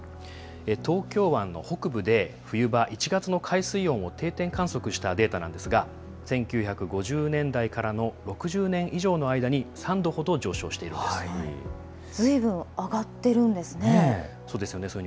東京湾の北部で冬場、１月の海水温を定点観測したデータなんですが、１９５０年代からの６０年以上の間に、３度ほど上昇しているずいぶん上がっているんですそうですよね。